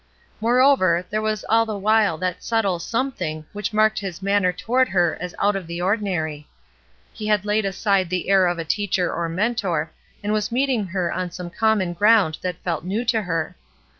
Moreover, there was all the while that subtle something which marked his manner toward her as out of the ordinary. He had laid aside the air of a teacher or mentor, and was meeting 124 ESTER RIED^S NAMESAKE her on some common groimd that felt new to her.